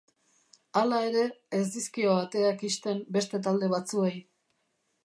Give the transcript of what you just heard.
Hala ere, ez dizkio ateak ixten beste talde batzuei.